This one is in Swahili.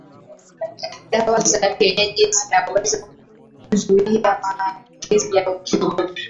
dawa za kienyeji zinaweza kuzuia maambukizi ya ukimwi